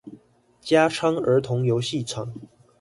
加昌兒童遊戲場